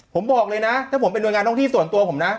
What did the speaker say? ผมบอกเลยนะถ้าผมเป็นหน่วยงานท้องที่ส่วนตัวผมนะ